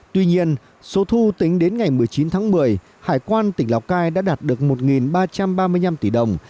tuy nhiên số thu tính đến ngày một mươi chín tháng một mươi hải quan tỉnh lào cai đã đạt được một ba trăm ba mươi năm tỷ đồng